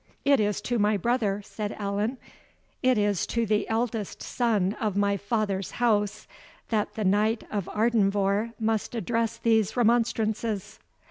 "It is to my brother," said Allan, "it is to the eldest son of my father's house, that the Knight of Ardenvohr must address these remonstrances.